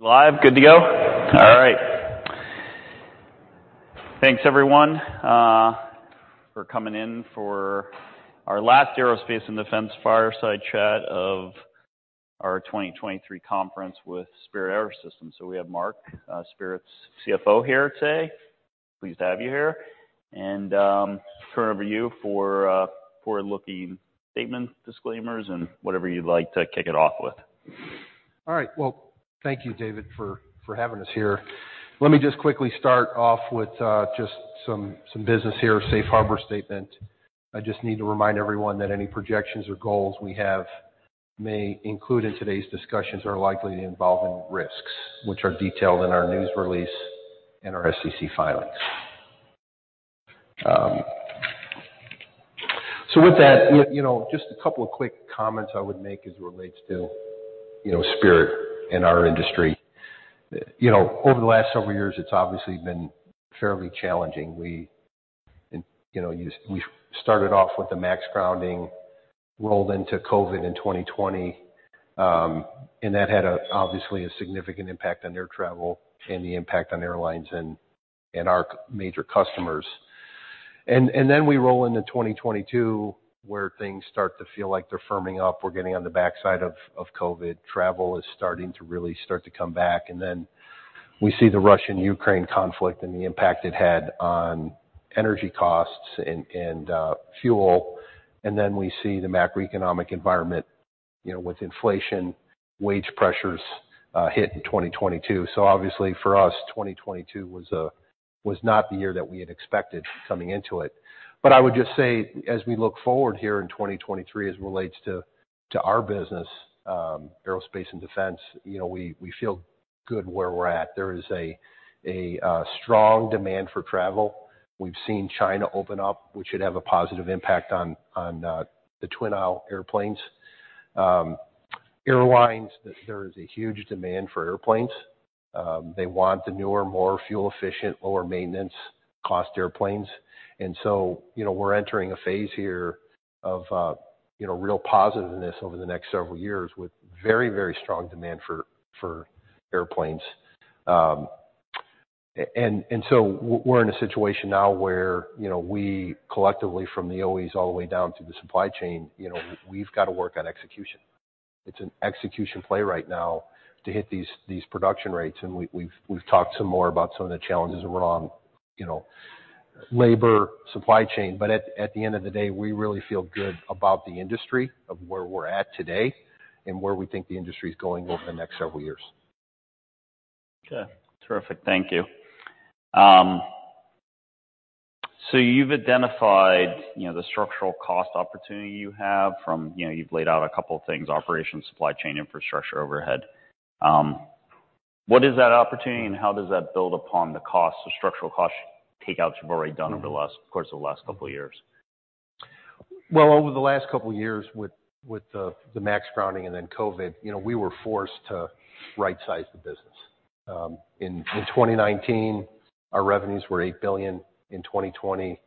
Live. Good to go? All right. Thanks everyone, for coming in for our last Aerospace and Defense Fireside Chat of our 2023 conference with Spirit AeroSystems. We have Mark, Spirit's CFO here today. Pleased to have you here. Turn it over to you for, forward-looking statement disclaimers and whatever you'd like to kick it off with. All right. Well, thank you, David, for having us here. Let me just quickly start off with just some business here, Safe Harbor Statement. I just need to remind everyone that any projections or goals we have may include in today's discussions are likely to involve any risks, which are detailed in our news release and our SEC filings. With that, you know, just a couple of quick comments I would make as it relates to, you know, Spirit and our industry. You know, over the last several years, it's obviously been fairly challenging. We started off with the MAX grounding, rolled into COVID in 2020, and that had obviously a significant impact on air travel and the impact on airlines and our major customers. We roll into 2022, where things start to feel like they're firming up. We're getting on the backside of COVID. Travel is starting to really come back. We see the Russia-Ukraine conflict and the impact it had on energy costs and fuel. We see the macroeconomic environment, you know, with inflation, wage pressures, hit in 2022. Obviously for us, 2022 was not the year that we had expected coming into it. I would just say, as we look forward here in 2023 as it relates to our business, aerospace and defense, you know, we feel good where we're at. There is strong demand for travel. We've seen China open up, which should have a positive impact on the twin-aisle airplanes. Airlines, there is a huge demand for airplanes. They want the newer, more fuel-efficient, lower maintenance cost airplanes. So, you know, we're entering a phase here of, you know, real positiveness over the next several years with very, very strong demand for airplanes. We're in a situation now where, you know, we collectively from the OEMs all the way down to the supply chain, you know, we've got to work on execution. It's an execution play right now to hit these production rates. We've talked some more about some of the challenges around, you know, labor, supply chain. At the end of the day, we really feel good about the industry of where we're at today and where we think the industry is going over the next several years. Okay. Terrific. Thank you. You've identified, you know, the structural cost opportunity you have from... You know, you've laid out a couple of things: operations, supply chain, infrastructure, overhead. What is that opportunity, and how does that build upon the structural cost takeouts you've already done over the course of the last couple of years? Well, over the last couple of years with the MAX grounding and then COVID, you know, we were forced to right-size the business. In 2019, our revenues were $8 billion. In 2020,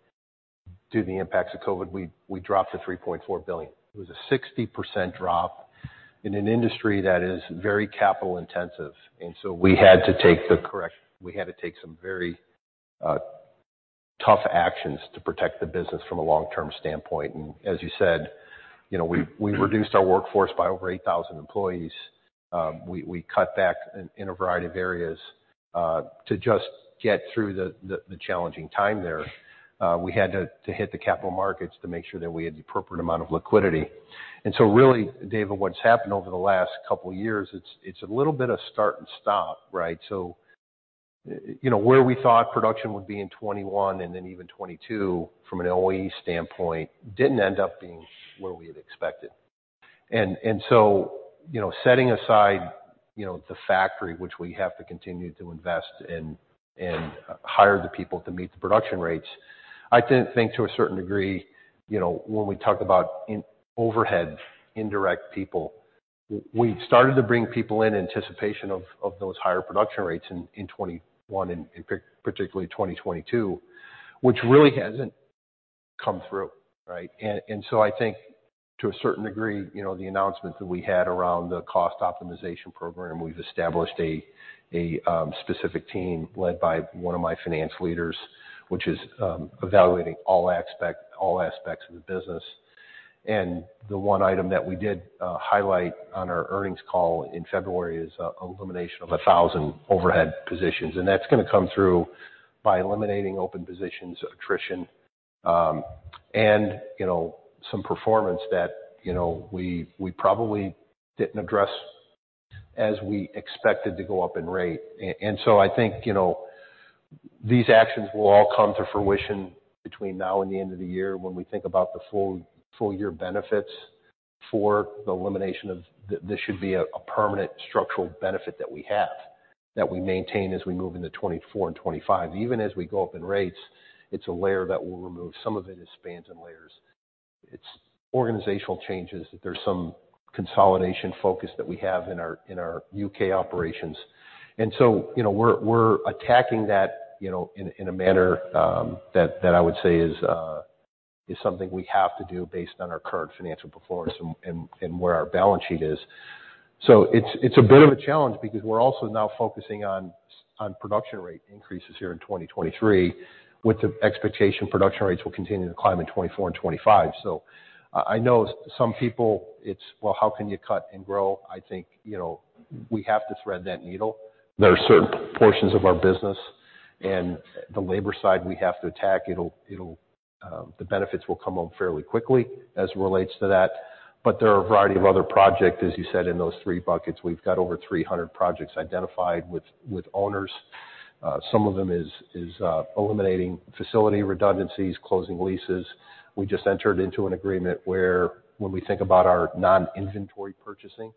due to the impacts of COVID, we dropped to $3.4 billion. It was a 60% drop in an industry that is very capital-intensive. We had to take some very tough actions to protect the business from a long-term standpoint. As you said, you know, we reduced our workforce by over 8,000 employees. We cut back in a variety of areas to just get through the challenging time there. We had to hit the capital markets to make sure that we had the appropriate amount of liquidity. Really, David, what's happened over the last couple of years, it's a little bit of start and stop, right? You know, where we thought production would be in 2021 and then even 2022 from an OE standpoint didn't end up being where we had expected. You know, setting aside, you know, the factory, which we have to continue to invest in and hire the people to meet the production rates, I think to a certain degree, you know, when we talk about overhead, indirect people, we started to bring people in anticipation of those higher production rates in 2021 and particularly 2022, which really hasn't come through, right? I think to a certain degree, you know, the announcement that we had around the cost optimization program, we've established a specific team led by one of my finance leaders, which is evaluating all aspects of the business. The one item that we did highlight on our earnings call in February is elimination of 1,000 overhead positions. That's gonna come through by eliminating open positions, attrition, and, you know, some performance that, you know, we probably didn't address as we expected to go up in rate. I think, you know, these actions will all come to fruition between now and the end of the year when we think about the full year benefits for the elimination of this should be a permanent structural benefit that we have, that we maintain as we move into 2024 and 2025. Even as we go up in rates, it's a layer that we'll remove. Some of it is spans and layers. It's organizational changes. There's some consolidation focus that we have in our, in our UK operations. You know, we're attacking that, you know, in a manner that I would say is something we have to do based on our current financial performance and where our balance sheet is. It's a bit of a challenge because we're also now focusing on production rate increases here in 2023, with the expectation production rates will continue to climb in 2024 and 2025. I know some people it's, "Well, how can you cut and grow?" I think, you know, we have to thread that needle. There are certain portions of our business and the labor side we have to attack. It'll, the benefits will come on fairly quickly as it relates to that. There are a variety of other project, as you said, in those 3 buckets. We've got over 300 projects identified with owners. Some of them is eliminating facility redundancies, closing leases. We just entered into an agreement where when we think about our non-inventory purchasing,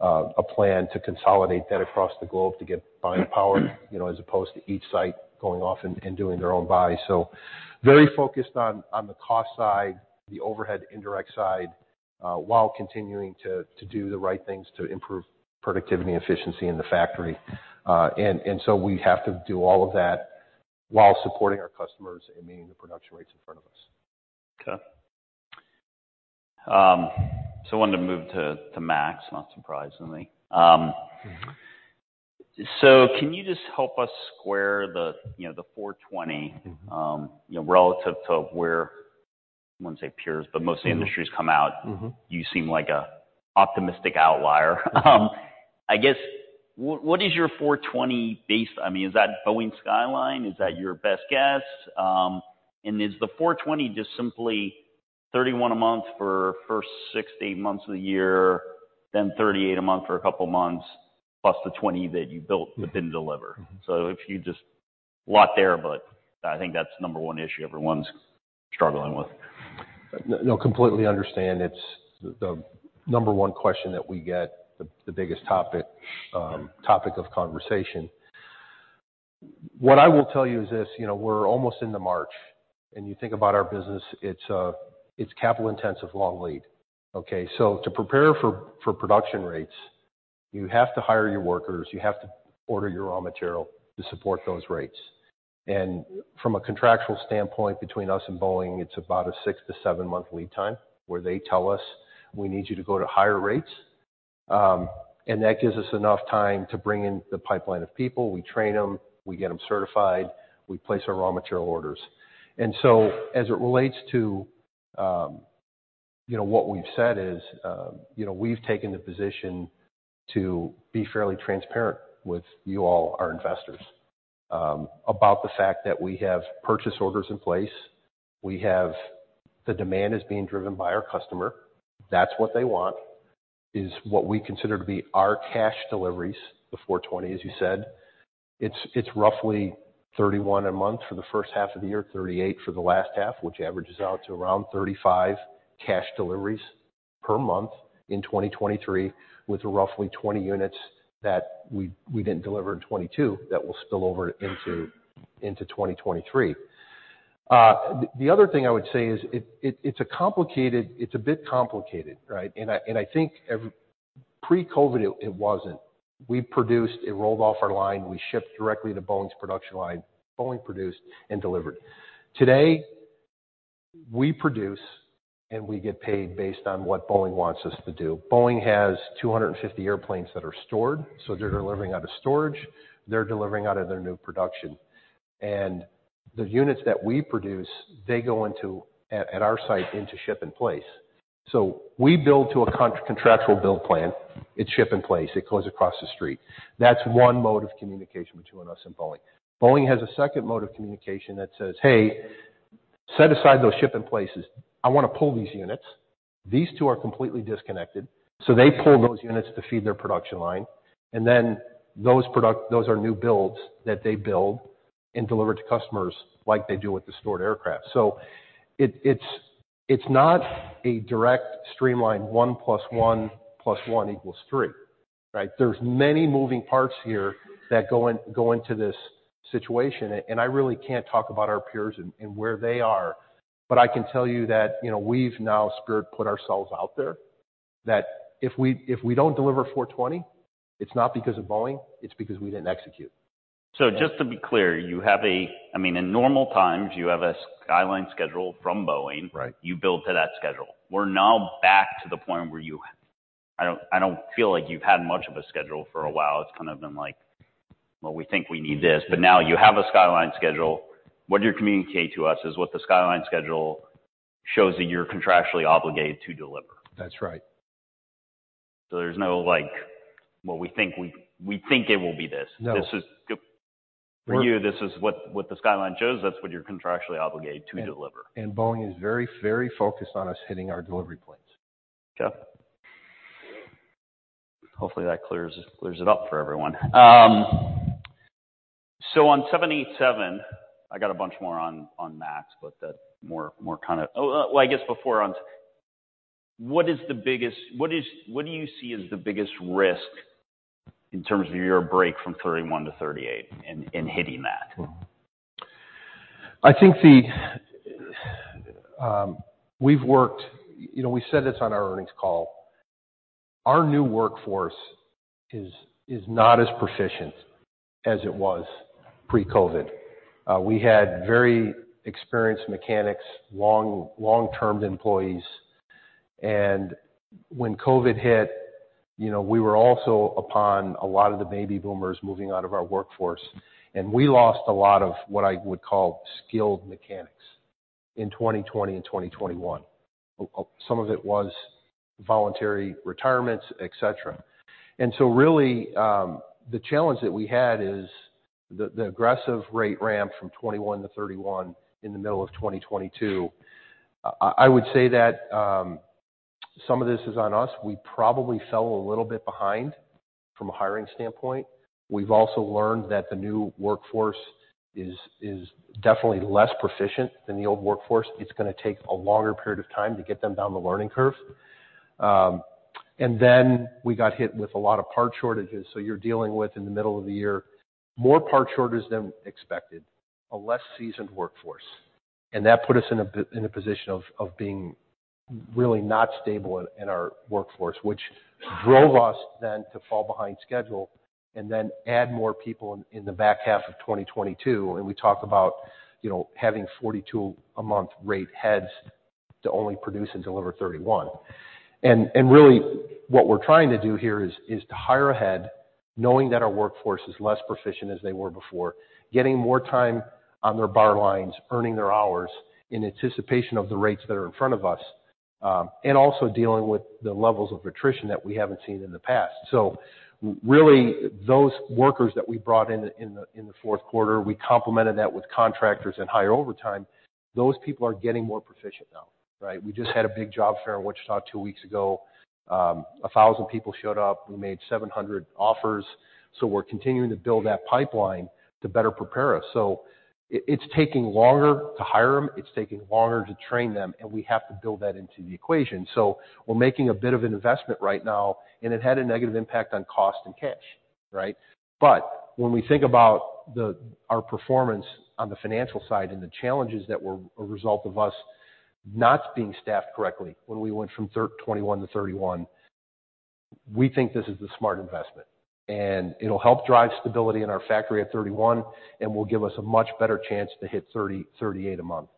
a plan to consolidate that across the globe to get buying power, you know, as opposed to each site going off and doing their own buy. Very focused on the cost side, the overhead indirect side, while continuing to do the right things to improve productivity, efficiency in the factory. We have to do all of that while supporting our customers and meeting the production rates in front of us. Okay. I wanted to move to MAX, not surprisingly. Can you just help us square the, you know, the 420, you know, relative to where, I wouldn't say peers, but most industries come out? Mm-hmm. You seem like a optimistic outlier. What is your 420 base? Is that Boeing skyline? Is that your best guess? Is the 420 just simply 31 a month for first 6-8 months of the year, then 38 a month for a couple of months, +20 that you built but didn't deliver? Mm-hmm. Lot there, but I think that's number 1 issue everyone's struggling with. No, completely understand. It's the number one question that we get, the biggest topic of conversation. What I will tell you is this, you know, we're almost into March, and you think about our business, it's capital intensive, long lead. To prepare for production rates, you have to hire your workers, you have to order your raw material to support those rates. From a contractual standpoint, between us and Boeing, it's about a six to seven-month lead time where they tell us, "We need you to go to higher rates." That gives us enough time to bring in the pipeline of people. We train them, we get them certified, we place our raw material orders. As it relates to, you know, what we've said is, you know, we've taken the position to be fairly transparent with you all, our investors, about the fact that we have purchase orders in place. The demand is being driven by our customer. That's what they want, is what we consider to be our cash deliveries, the 420, as you said. It's roughly 31 a month for the first half of the year, 38 for the last half, which averages out to around 35 cash deliveries per month in 2023, with roughly 20 units that we didn't deliver in 2022 that will spill over into 2023. The other thing I would say is it's a bit complicated, right? I think pre-COVID, it wasn't. We produced, it rolled off our line, we shipped directly to Boeing's production line. Boeing produced and delivered. Today, we produce, and we get paid based on what Boeing wants us to do. Boeing has 250 airplanes that are stored, so they're delivering out of storage, they're delivering out of their new production. The units that we produce, they go into at our site, into ship-in-place. We build to a contractual build plan. It's ship-in-place. It goes across the street. That's one mode of communication between us and Boeing. Boeing has a second mode of communication that says, "Hey, set aside those ship-in-places. I wanna pull these units." These two are completely disconnected. They pull those units to feed their production line, and then those are new builds that they build and deliver to customers like they do with the stored aircraft. It's not a direct streamlined 1+1+1=3, right? There's many moving parts here that go into this situation, and I really can't talk about our peers and where they are. I can tell you that, you know, we've now put ourselves out there, that if we don't deliver 420, it's not because of Boeing, it's because we didn't execute. Just to be clear, you have, I mean, in normal times, you have a skyline schedule from Boeing. Right. You build to that schedule. We're now back to the point where I don't feel like you've had much of a schedule for a while. It's kind of been like, "Well, we think we need this," but now you have a skyline schedule. What you communicate to us is what the skyline schedule shows that you're contractually obligated to deliver. That's right. there's no like, "Well, we think it will be this. No. This is We're- For you, this is what the skyline shows, that's what you're contractually obligated to deliver. Boeing is very, very focused on us hitting our delivery points. Okay. Hopefully that clears it up for everyone. On 787, I got a bunch more on MAX, but the more kind of... Oh, well, I guess before, what do you see as the biggest risk in terms of your break from 31 to 38 in hitting that? You know, we said this on our earnings call. Our new workforce is not as proficient as it was pre-COVID. We had very experienced mechanics, long-term employees. When COVID hit, you know, we were also upon a lot of the baby boomers moving out of our workforce, and we lost a lot of what I would call skilled mechanics in 2020 and 2021. Some of it was voluntary retirements, et cetera. Really, the challenge that we had is the aggressive rate ramp from 21 to 31 in the middle of 2022. I would say that some of this is on us. We probably fell a little bit behind from a hiring standpoint. We've also learned that the new workforce is definitely less proficient than the old workforce. It's gonna take a longer period of time to get them down the learning curve. We got hit with a lot of part shortages. You're dealing with, in the middle of the year, more part shortages than expected, a less seasoned workforce. That put us in a position of being really not stable in our workforce, which drove us then to fall behind schedule and then add more people in the back half of 2022. We talk about, you know, having 42 a month rate heads to only produce and deliver 31. Really what we're trying to do here is to hire ahead, knowing that our workforce is less proficient as they were before, getting more time on their barrel lines, earning their hours in anticipation of the rates that are in front of us, and also dealing with the levels of attrition that we haven't seen in the past. Really, those workers that we brought in the fourth quarter, we complemented that with contractors and higher overtime. Those people are getting more proficient now, right? We just had a big job fair in Wichita two weeks ago. A 1,000 people showed up. We made 700 offers. We're continuing to build that pipeline to better prepare us. It's taking longer to hire them, it's taking longer to train them, and we have to build that into the equation. We're making a bit of an investment right now, and it had a negative impact on cost and cash, right? When we think about our performance on the financial side and the challenges that were a result of us not being staffed correctly when we went from 21 to 31, we think this is the smart investment, and it'll help drive stability in our factory at 31 and will give us a much better chance to hit 38 a month.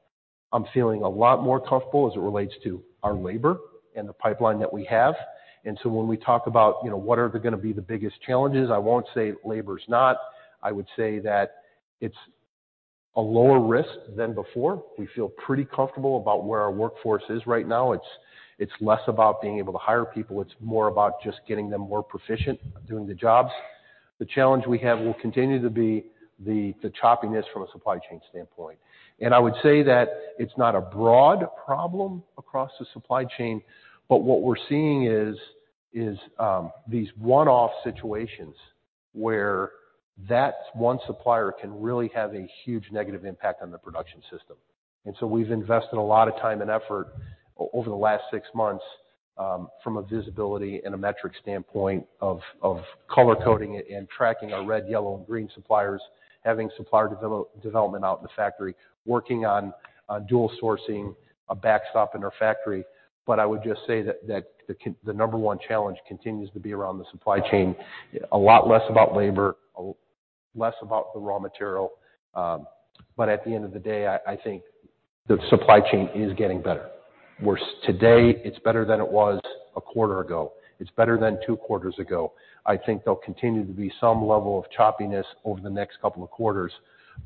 I'm feeling a lot more comfortable as it relates to our labor and the pipeline that we have. When we talk about, you know, what are going to be the biggest challenges, I won't say labor is not. I would say that it's a lower risk than before. We feel pretty comfortable about where our workforce is right now. It's less about being able to hire people. It's more about just getting them more proficient doing the jobs. The challenge we have will continue to be the choppiness from a supply chain standpoint. I would say that it's not a broad problem across the supply chain, but what we're seeing is these one-off situations where that one supplier can really have a huge negative impact on the production system. So we've invested a lot of time and effort over the last six months from a visibility and a metric standpoint of color coding it and tracking our red, yellow, and green suppliers, having supplier development out in the factory, working on dual sourcing a backstop in our factory. I would just say that the number one challenge continues to be around the supply chain. A lot less about labor, a less about the raw material. At the end of the day, I think the supply chain is getting better. Today, it's better than it was a quarter ago. It's better than two quarters ago. I think there'll continue to be some level of choppiness over the next couple of quarters,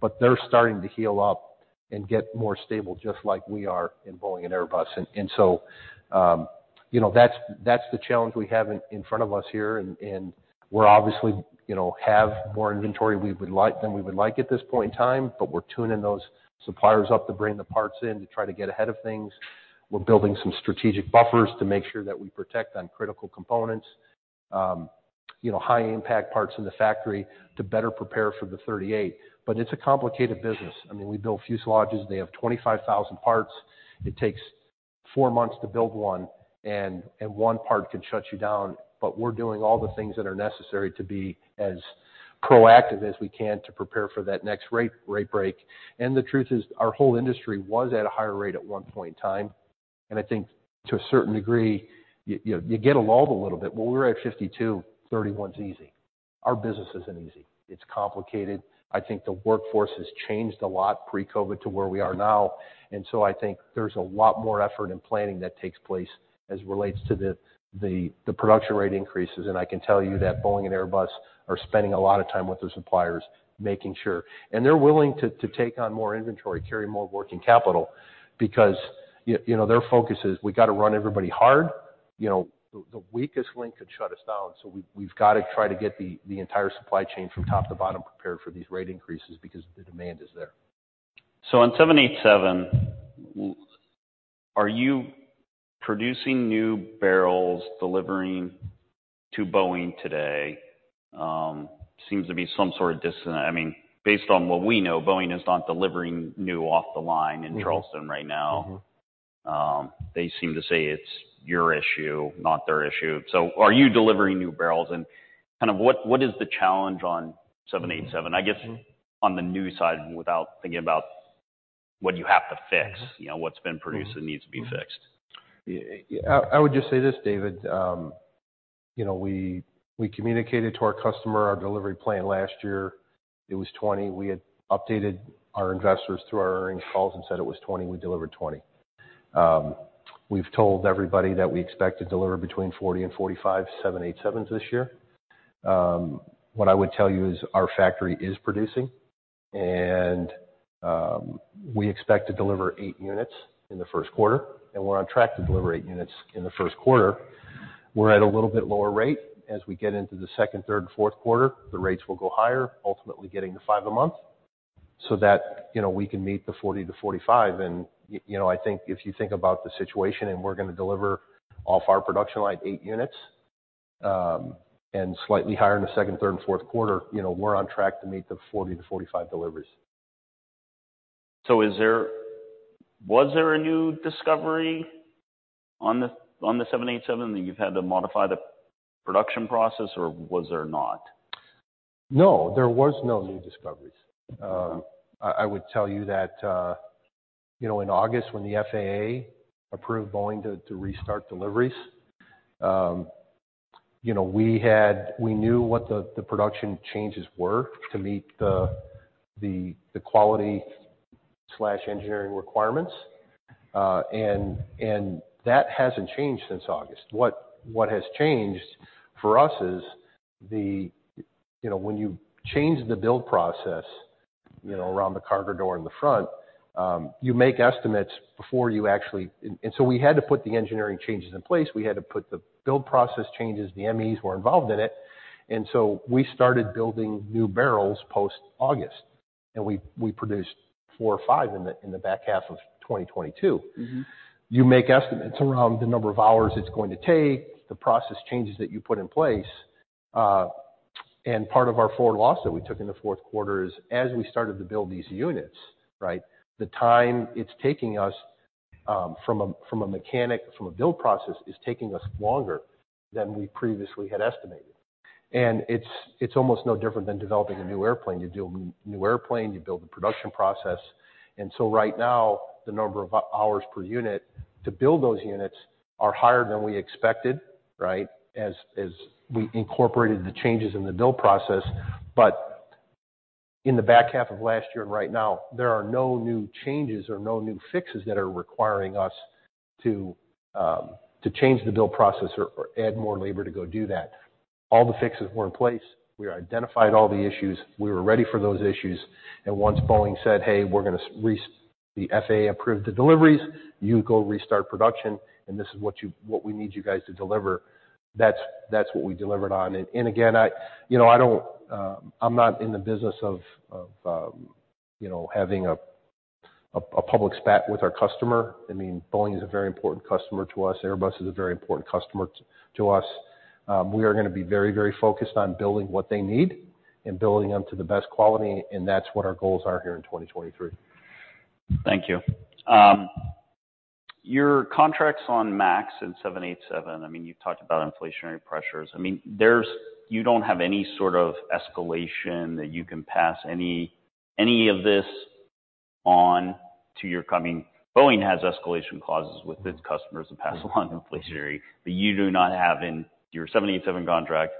but they're starting to heal up and get more stable just like we are in Boeing and Airbus. You know, that's the challenge we have in front of us here. We're obviously, you know, have more inventory than we would like at this point in time, but we're tuning those suppliers up to bring the parts in to try to get ahead of things. We're building some strategic buffers to make sure that we protect on critical components, you know, high impact parts in the factory to better prepare for the 38. It's a complicated business. I mean, we build fuselages. They have 25,000 parts. It takes 4 months to build 1 and one part can shut you down. We're doing all the things that are necessary to be as proactive as we can to prepare for that next rate break. The truth is our whole industry was at a higher rate at one point in time. I think to a certain degree, you get lulled a little bit. When we're at 52, 31's easy. Our business isn't easy. It's complicated. I think the workforce has changed a lot pre-COVID to where we are now. I think there's a lot more effort and planning that takes place as it relates to the production rate increases. I can tell you that Boeing and Airbus are spending a lot of time with their suppliers making sure. They're willing to take on more inventory, carry more working capital because you know, their focus is we got to run everybody hard. You know, the weakest link could shut us down, so we've got to try to get the entire supply chain from top to bottom prepared for these rate increases because the demand is there. On 787, are you producing new barrels delivering to Boeing today? I mean, based on what we know, Boeing is not delivering new off the line in Charleston right now. Mm-hmm. They seem to say it's your issue, not their issue. Are you delivering new barrels? Kind of what is the challenge on 787? I guess on the new side without thinking about what you have to fix, you know, what's been produced that needs to be fixed. Yeah. I would just say this, David, you know, we communicated to our customer our delivery plan last year, it was 20. We had updated our investors through our earnings calls and said it was 20, we delivered 20. We've told everybody that we expect to deliver between 40 and 45 787s this year. What I would tell you is our factory is producing, and we expect to deliver 8 units in the first quarter, and we're on track to deliver 8 units in the first quarter. We're at a little bit lower rate. As we get into the second, third, and fourth quarter, the rates will go higher, ultimately getting to 5 a month so that, you know, we can meet the 40 to 45. you know, I think if you think about the situation and we're gonna deliver off our production line 8 units, and slightly higher in the second, third, and fourth quarter, you know, we're on track to meet the 40-45 deliveries. Was there a new discovery on the 787 that you've had to modify the production process or was there not? No, there was no new discoveries. I would tell you that, you know, in August, when the FAA approved Boeing to restart deliveries, you know, we knew what the production changes were to meet the quality/engineering requirements. That hasn't changed since August. What has changed for us is the... You know, when you change the build process, you know, around the cargo door in the front, you make estimates before you actually... So we had to put the engineering changes in place. We had to put the build process changes. The MEs were involved in it. So we started building new barrels post-August, and we produced four or five in the back half of 2022. Mm-hmm. You make estimates around the number of hours it's going to take, the process changes that you put in place. Part of our forward loss that we took in the fourth quarter is as we started to build these units, right? The time it's taking us from a mechanic, from a build process, is taking us longer than we previously had estimated. It's almost no different than developing a new airplane. You build a new airplane, you build the production process. Right now, the number of hours per unit to build those units are higher than we expected, right? As we incorporated the changes in the build process. In the back half of last year and right now, there are no new changes or no new fixes that are requiring us to change the build process or add more labor to go do that. All the fixes were in place. We identified all the issues. We were ready for those issues. Once Boeing said, "Hey, The FAA approved the deliveries. You go restart production, and this is what we need you guys to deliver." That's what we delivered on. Again, you know, I don't I'm not in the business of, you know, having a public spat with our customer. I mean, Boeing is a very important customer to us. Airbus is a very important customer to us. We are gonna be very, very focused on building what they need and building them to the best quality, and that's what our goals are here in 2023. Thank you. Your contracts on MAX and 787, I mean, you've talked about inflationary pressures. I mean, you don't have any sort of escalation that you can pass any of this on to your... I mean, Boeing has escalation clauses with its customers that pass along inflationary. You do not have in your 787 contract.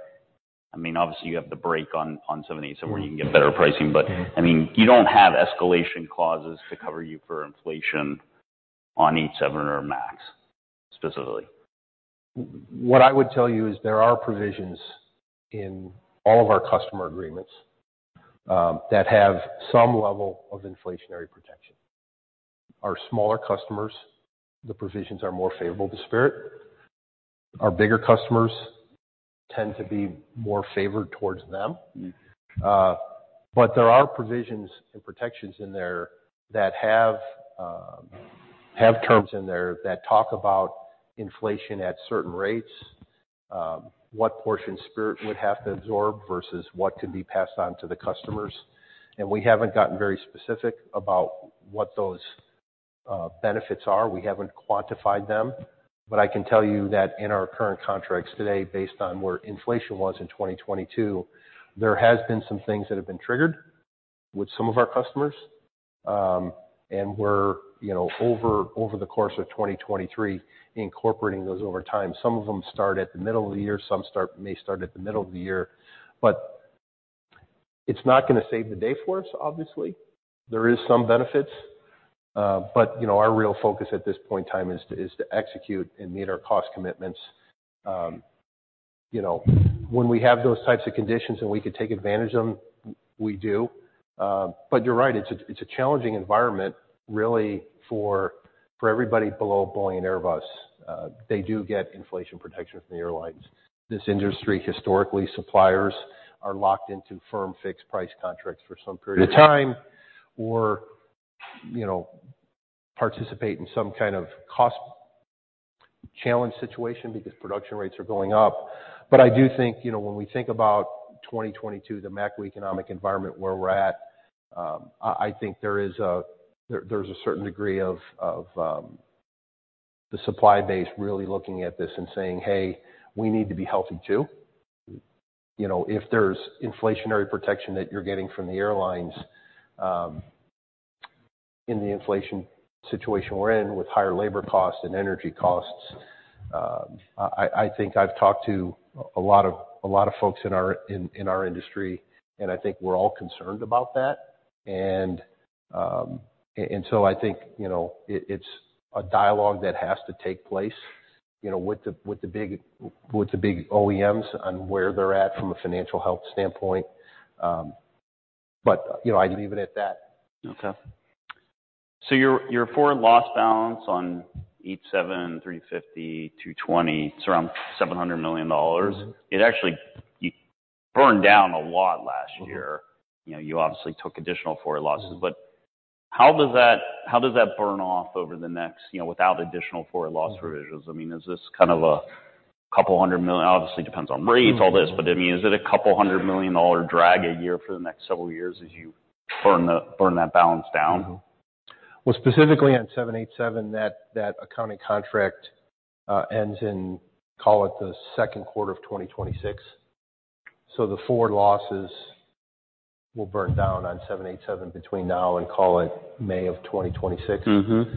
I mean, obviously, you have the break on 787 where you can get better pricing. I mean, you don't have escalation clauses to cover you for inflation on 87 or MAX specifically. What I would tell you is there are provisions in all of our customer agreements that have some level of inflationary protection. Our smaller customers, the provisions are more favorable to Spirit. Our bigger customers tend to be more favored towards them. Mm-hmm. There are provisions and protections in there that have terms in there that talk about inflation at certain rates, what portion Spirit would have to absorb versus what could be passed on to the customers. We haven't gotten very specific about what those benefits are. We haven't quantified them. I can tell you that in our current contracts today, based on where inflation was in 2022, there has been some things that have been triggered with some of our customers. We're, you know, over the course of 2023, incorporating those over time. Some of them start at the middle of the year, some may start at the middle of the year. It's not gonna save the day for us, obviously. There is some benefits, but, you know, our real focus at this point in time is to execute and meet our cost commitments. You know, when we have those types of conditions and we can take advantage of them, we do. But you're right, it's a challenging environment really for everybody below Boeing and Airbus. They do get inflation protection from the airlines. This industry, historically, suppliers are locked into Firm-Fixed-Price contracts for some period of time or, you know, participate in some kind of cost challenge situation because production rates are going up. But I do think, you know, when we think about 2022, the macroeconomic environment where we're at, I think there is a... There's a certain degree of the supply base really looking at this and saying, "Hey, we need to be healthy too." You know, if there's inflationary protection that you're getting from the airlines, in the inflation situation we're in with higher labor costs and energy costs, I think I've talked to a lot of folks in our industry, and I think we're all concerned about that. I think, you know, it's a dialogue that has to take place, you know, with the big OEMs on where they're at from a financial health standpoint. You know, I'd leave it at that. Okay. Your forward loss balance on 87, A350, A220, it's around $700 million. Mm-hmm. It actually burned down a lot last year. Mm-hmm. You know, you obviously took additional forward losses. Mm-hmm. How does that burn off over the next, you know, without additional forward loss. Mm-hmm. provisions? I mean, is this kind of $200 million? Obviously, it depends on rates, all this. Mm-hmm. I mean, is it a $200 million drag a year for the next several years as you burn that balance down? Well, specifically on 787, that accounting contract, ends in, call it the second quarter of 2026. The forward losses will burn down on 787 between now and, call it, May of 2026. Mm-hmm.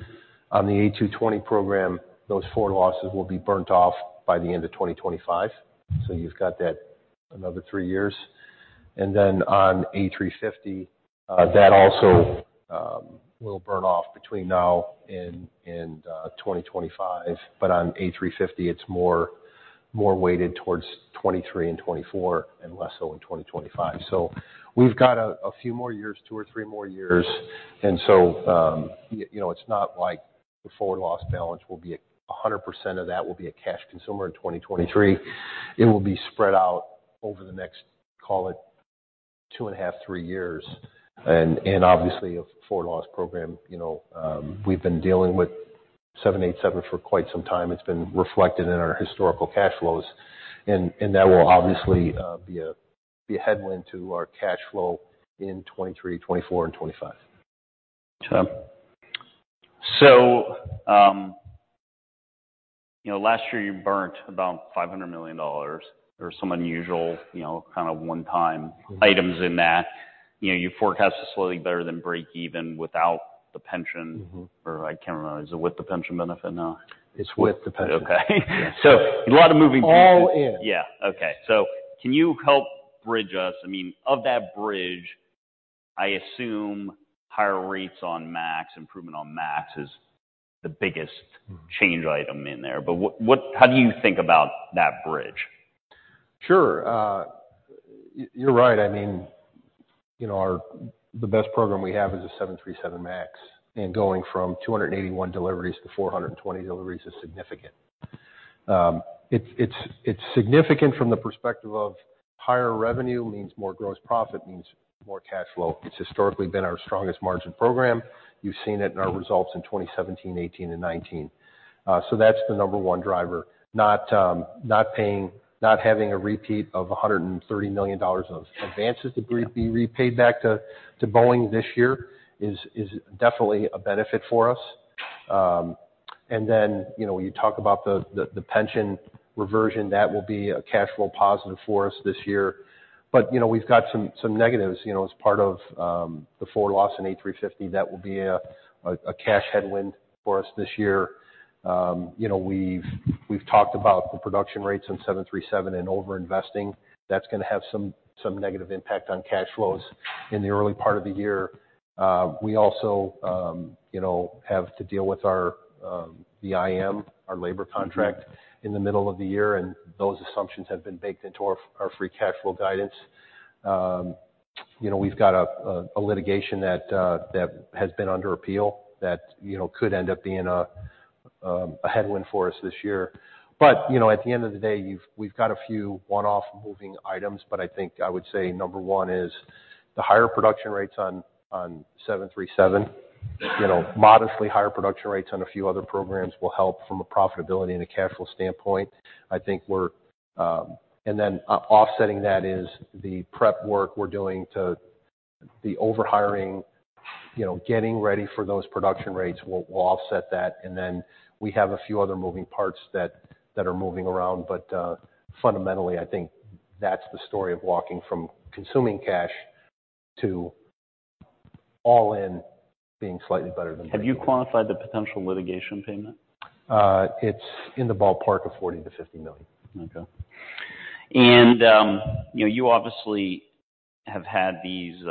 On the A220 program, those forward losses will be burnt off by the end of 2025. You've got that another 3 years. Then on A350, that also will burn off between now and 2025. On A350, it's more, more weighted towards 2023 and 2024 and less so in 2025. We've got a few more years, 2 or 3 more years. So, you know, it's not like the forward loss balance will be 100% of that will be a cash consumer in 2023. It will be spread out over the next, call it, 2 and a half, 3 years. Obviously, a forward loss program, you know, we've been dealing with 787 for quite some time. It's been reflected in our historical cash flows. That will obviously, be a headwind to our cash flow in 2023, 2024, and 2025. Gotcha. you know, last year you burnt about $500 million. There were some unusual, you know, kind of. Mm-hmm. items in that. You know, you forecasted slightly better than break even without the pension. Mm-hmm. I can't remember. Is it with the pension benefit now? It's with the pension. Okay. Yes. A lot of moving pieces. All in. Yeah. Okay. Can you help bridge us? I mean, of that bridge, I assume higher rates on MAX, improvement on MAX is the biggest change item in there. what, how do you think about that bridge? Sure. You're right. I mean, you know, the best program we have is the 737 MAX, and going from 281 deliveries to 420 deliveries is significant. It's significant from the perspective of higher revenue, means more gross profit, means more cash flow. It's historically been our strongest margin program. You've seen it in our results in 2017, 2018 and 2019. That's the number one driver. Not, not having a repeat of $130 million of advances to be repaid back to Boeing this year is definitely a benefit for us. Then, you know, when you talk about the pension reversion, that will be a cash flow positive for us this year. You know, we've got some negatives, you know, as part of the forward loss in A350, that will be a cash headwind for us this year. You know, we've talked about the production rates on 737 and overinvesting. That's gonna have some negative impact on cash flows in the early part of the year. We also, you know, have to deal with our, the IAM, our labor contract. In the middle of the year, those assumptions have been baked into our free cash flow guidance. You know, we've got a litigation that has been under appeal that, you know, could end up being a headwind for us this year. You know, at the end of the day, we've got a few one-off moving items. I think I would say number one is the higher production rates on 737, you know, modestly higher production rates on a few other programs will help from a profitability and a cash flow standpoint. Offsetting that is the prep work we're doing to the over-hiring, you know, getting ready for those production rates will offset that. We have a few other moving parts that are moving around. fundamentally, I think that's the story of walking from consuming cash to all in being slightly better than- Have you quantified the potential litigation payment? It's in the ballpark of $40 million-$50 million. Okay. You know, you obviously have had these,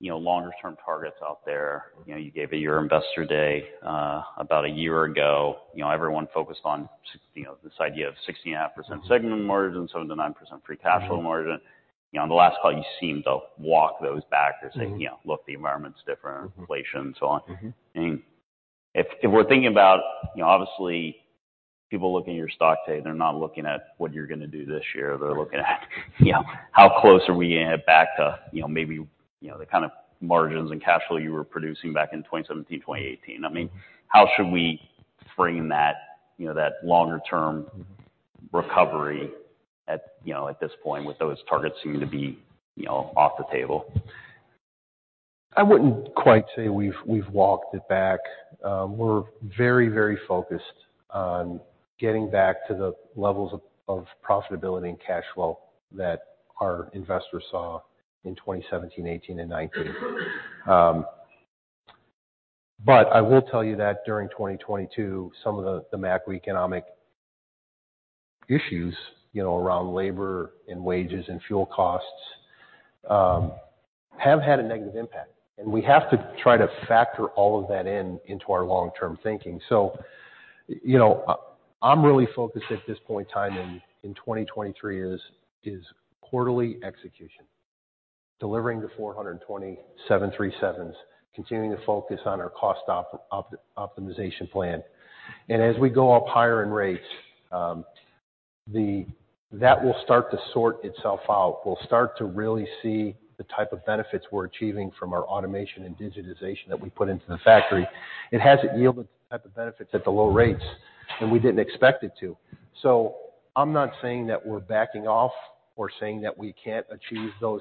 you know, longer term targets out there. You know, you gave at your Investor Day, about a year ago. You know, everyone focused on, you know, this idea of 60.5% segment margin, 7%-9% free cash flow margin. Mm-hmm. You know, on the last call, you seemed to walk those back or say you know, "Look, the environment's different. Inflation and so on. Mm-hmm. If we're thinking about, you know, obviously people looking at your stock today, they're not looking at what you're gonna do this year. They're looking at, you know, how close are we gonna get back to, you know, maybe, you know, the kind of margins and cash flow you were producing back in 2017, 2018. I mean, how should we frame that, you know, that longer term recovery at, you know, at this point with those targets seeming to be, you know, off the table? I wouldn't quite say we've walked it back. We're very, very focused on getting back to the levels of profitability and cash flow that our investors saw in 2017, 2018, and 2019. I will tell you that during 2022, some of the macroeconomic issues, you know, around labor and wages and fuel costs, have had a negative impact. We have to try to factor all of that in into our long-term thinking. You know, I'm really focused at this point in time in 2023 is quarterly execution. Delivering the 420 737s, continuing to focus on our cost optimization program. As we go up higher in rates, that will start to sort itself out. We'll start to really see the type of benefits we're achieving from our automation and digitization that we put into the factory. It hasn't yielded the type of benefits at the low rates, and we didn't expect it to. I'm not saying that we're backing off or saying that we can't achieve those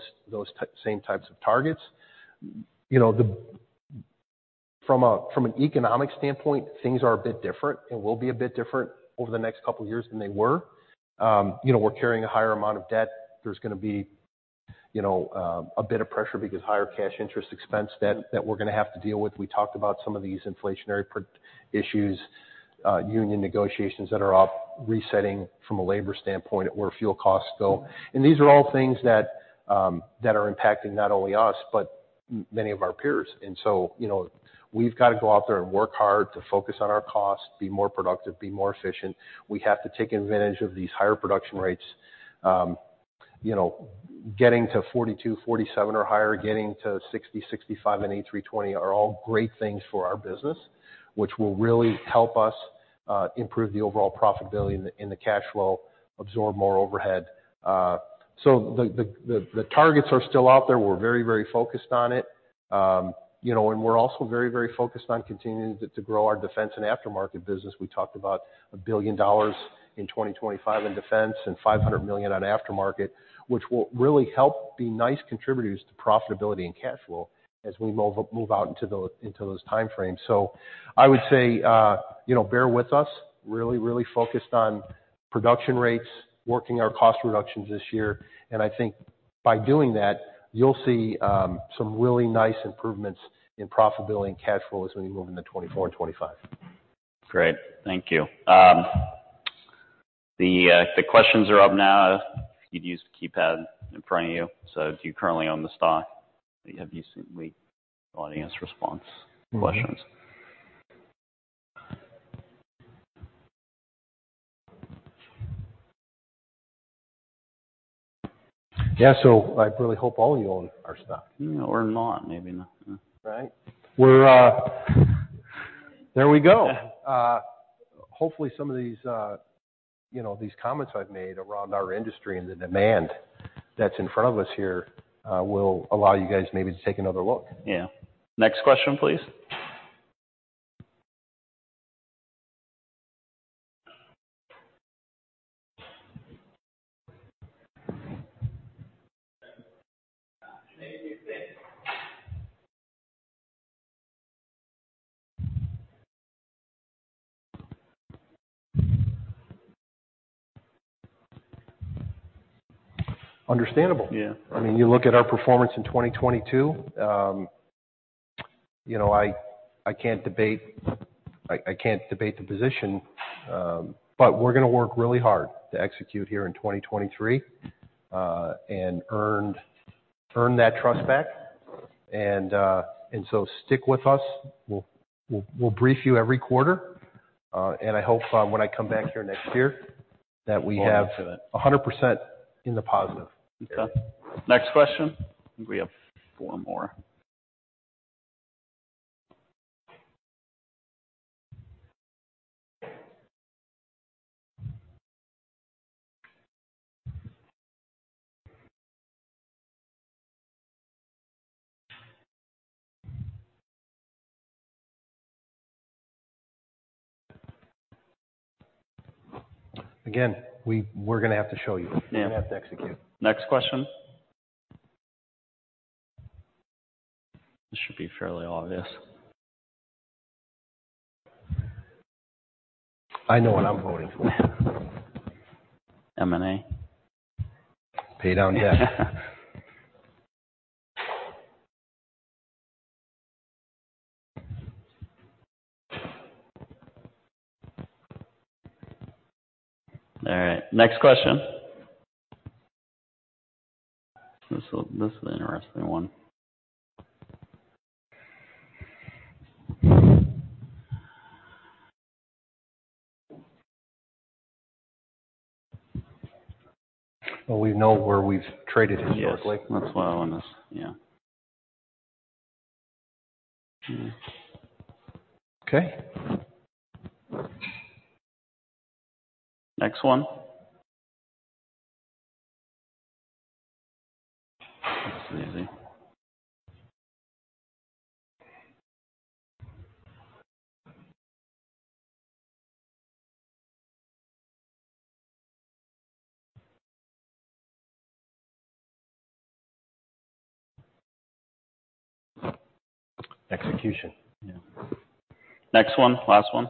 same types of targets. You know, from a, from an economic standpoint, things are a bit different and will be a bit different over the next couple of years than they were. You know, we're carrying a higher amount of debt. There's gonna be, you know, a bit of pressure because higher cash interest expense debt that we're gonna have to deal with. We talked about some of these inflationary issues, union negotiations that are off resetting from a labor standpoint or fuel costs go. These are all things that are impacting not only us, but many of our peers. You know, we've got to go out there and work hard to focus on our costs, be more productive, be more efficient. We have to take advantage of these higher production rates, you know, getting to 42, 47 or higher, getting to 60, 65 in A320 are all great things for our business, which will really help us improve the overall profitability and the cash flow, absorb more overhead. The targets are still out there. We're very, very focused on it. You know, we're also very, very focused on continuing to grow our defense and aftermarket business. We talked about $1 billion in 2025 in defense and $500 million on aftermarket, which will really help be nice contributors to profitability and cash flow as we move out into those time frames. I would say, you know, bear with us. Really focused on production rates, working our cost reductions this year, and I think by doing that, you'll see some really nice improvements in profitability and cash flow as we move into 2024 and 2025. Great. Thank you. The questions are up now. You'd use the keypad in front of you. If you currently own the stock, have you seen the audience response questions? Yeah. I really hope all of you own our stock. Not, maybe not. Right. We're. There we go. Hopefully, some of these, you know, these comments I've made around our industry and the demand that's in front of us here, will allow you guys maybe to take another look. Yeah. Next question, please. Understandable. Yeah. I mean, you look at our performance in 2022, you know, I can't debate the position. We're gonna work really hard to execute here in 2023 and earn that trust back. Stick with us. We'll brief you every quarter, and I hope when I come back here next year, that we have- Well into it. 100% in the positive. Okay. Next question. I think we have four more. Again, we're gonna have to show you. Yeah. We have to execute. Next question. This should be fairly obvious. I know what I'm voting for. M&A. Pay down debt. All right, next question. This is an interesting one. Well, we know where we've traded historically. Yes. That's why I want this. Yeah. Okay. Next one. This is easy. Execution. Yeah. Next one. Last one.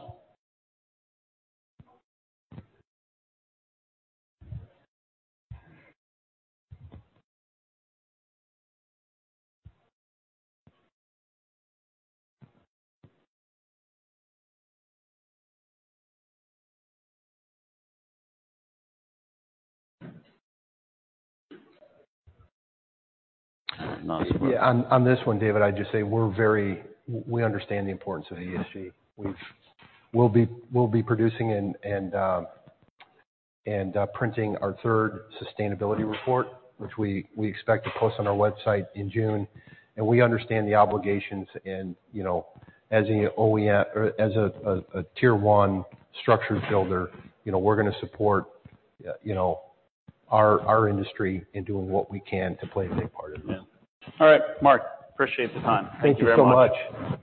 Yeah. On this one, David, I'd just say we understand the importance of ESG. We'll be producing and printing our third Sustainability Report, which we expect to post on our website in June. We understand the obligations and, you know, as a Tier 1 structure builder, you know, we're gonna support, you know, our industry in doing what we can to play a big part in that. Yeah. All right, Mark, appreciate the time. Thank you so much. Thank you very much.